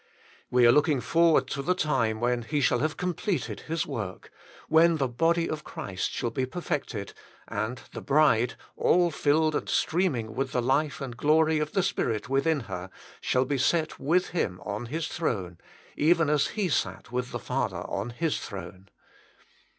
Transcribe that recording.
We are looking forward to the time when He shall have completed His work, when the body of Christ shall be perfected, and the bride, all filled and streaming with the life and glory of the Spirit within her, shall be set with Him on His throne, even as He sat with the Father on His throne.